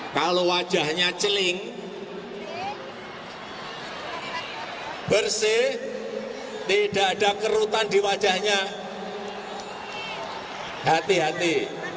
kalau wajahnya celing bersih tidak ada kerutan di wajahnya hati hati